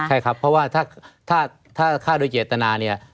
ใช่ครับเพราะว่าถ้าฆ่าโดยเจตนาเนี่ย